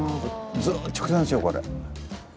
ずっと直線ですよこれ。